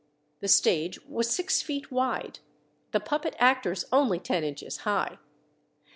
The stage was six feet wide, the puppet actors only ten inches high.